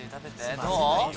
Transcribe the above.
どう？